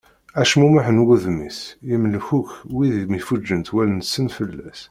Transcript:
Acmummeḥ n wudem-is yemlek akk wid mi fuǧent wallen-nsen fell-as.